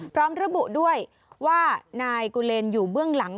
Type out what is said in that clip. พร้อมระบุด้วยว่านายกุเลนอยู่เบื้องหลัง